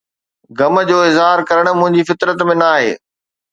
غم جو اظهار ڪرڻ منهنجي فطرت ۾ ناهي